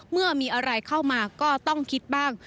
เมื่อมีอะไรเข้ามาก็ต้องคิดบ้าง